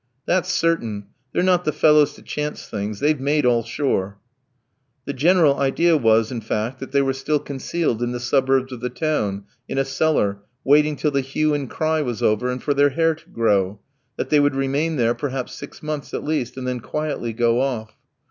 "That's certain; they're not the fellows to chance things, they've made all sure." The general idea was, in fact, that they were still concealed in the suburbs of the town, in a cellar, waiting till the hue and cry was over, and for their hair to grow; that they would remain there perhaps six months at least, and then quietly go off.